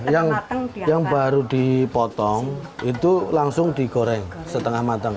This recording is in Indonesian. yang baru dipotong itu langsung digoreng setengah matang